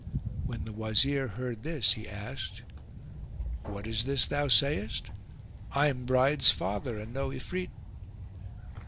When the Wazir heard this he asked, "What is this thou sayest? I'm the bride's father and no Ifrit."